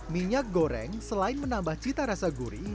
minyak goreng selain menambah cita rasa gurih